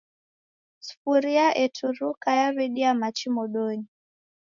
Sufuria eturuka yaw'edia machi modonyi